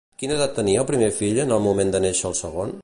Quina edat tenia el primer fill en el moment de néixer el segon?